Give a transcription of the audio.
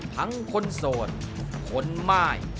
ทั้งคนโสดคนม่าย